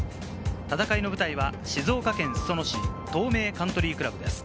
戦いの舞台は静岡県裾野市、東名カントリークラブです。